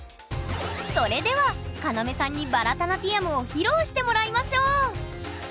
それではカナメさんにバラタナティヤムを披露してもらいましょう！